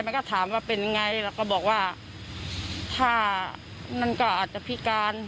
มันก็ถามว่าเป็นไงเราก็บอกว่าถ้ามันก็อาจจะพิการ